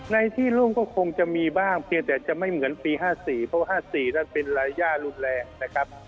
ในที่ร่มก็คงจะมีบ้างเพียงแต่จะไม่เหมือนปี๕๔เพราะว่า๕๔นั้นเป็นรายย่ารุนแรงนะครับ